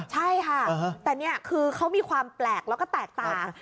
ใช่ค่ะแต่นี่คือเขามีความแปลกแล้วก็แตกต่าง